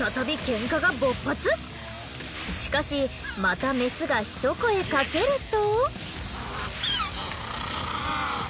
しかしまたメスが一声かけると。